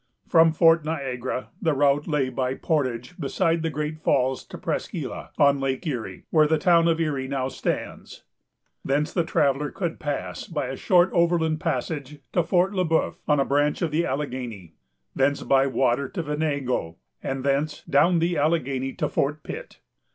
From Fort Niagara the route lay by a portage beside the great falls to Presqu' Isle, on Lake Erie, where the town of Erie now stands. Thence the traveller could pass, by a short overland passage, to Fort Le Bœuf, on a branch of the Alleghany; thence, by water, to Venango; and thence, down the Alleghany, to Fort Pitt.